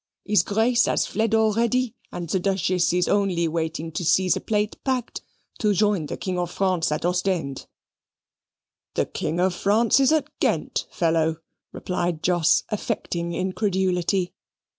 His Grace has fled already, and the Duchess is only waiting to see the plate packed to join the King of France at Ostend." "The King of France is at Ghent, fellow," replied Jos, affecting incredulity.